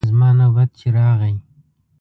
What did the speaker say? زما نوبت چې راغی.